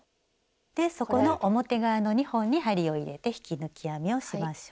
でそこの表側の２本に針を入れて引き抜き編みをしましょう。